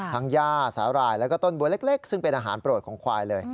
ย่าสาหร่ายแล้วก็ต้นบัวเล็กซึ่งเป็นอาหารโปรดของควายเลย